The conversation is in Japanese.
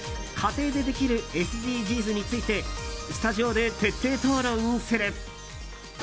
家庭でできるＳＤＧｓについてスタジオで徹底討論する。